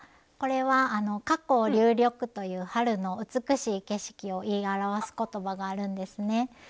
これは「花紅柳緑」という春の美しい景色を言い表す言葉があるんですね。